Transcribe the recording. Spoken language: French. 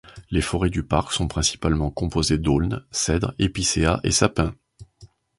Les forêts du parc sont principalement composées d'aulnes, cèdres, épicéas et sapins.